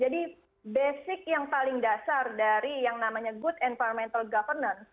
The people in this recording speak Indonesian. jadi basic yang paling dasar dari yang namanya good environmental governance